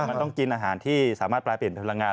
มันต้องกินอาหารที่สามารถปลายเปลี่ยนพลังงาน